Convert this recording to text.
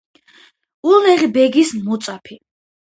ულუღ ბეგის მოწაფე.